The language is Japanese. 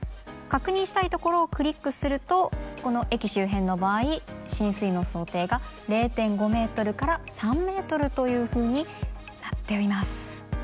確認したいところをクリックするとこの駅周辺の場合浸水の想定が０．５ｍから３ｍというふうになっています。